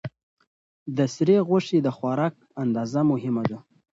د سرې غوښې د خوراک اندازه مهمه ده.